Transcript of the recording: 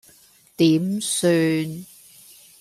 點算